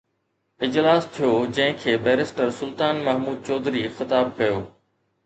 اجلاس ٿيو جنهن کي بئريسٽر سلطان محمود چوڌري خطاب ڪيو